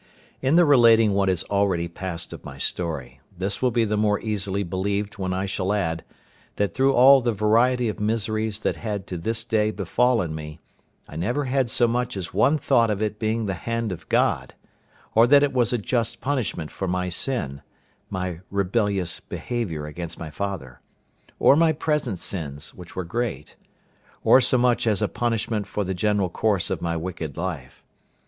In the relating what is already past of my story, this will be the more easily believed when I shall add, that through all the variety of miseries that had to this day befallen me, I never had so much as one thought of it being the hand of God, or that it was a just punishment for my sin—my rebellious behaviour against my father—or my present sins, which were great—or so much as a punishment for the general course of my wicked life.